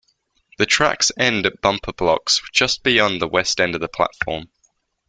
The tracks end at bumper blocks just beyond the west end of the platform.